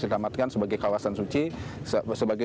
selamatkan sebagai kawasan suci sebagai